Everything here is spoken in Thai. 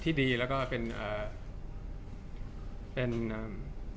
จากความไม่เข้าจันทร์ของผู้ใหญ่ของพ่อกับแม่